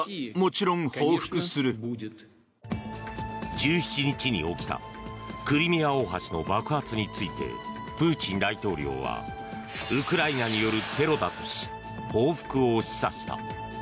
１７日に起きたクリミア大橋の爆発についてプーチン大統領はウクライナによるテロだとし報復を示唆した。